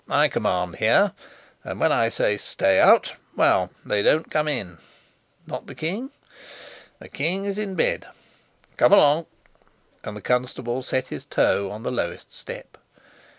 "I command here, and when I say 'Stay out' well, they don't come in." "Not the king?" "The king is in bed. Come along," and the constable set his toe on the lowest step.